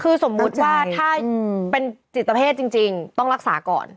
คือสมมุติว่าถ้าเป็นจิตเพศจริงต้องรักษาก่อน